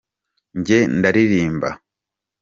njye ndaririmba.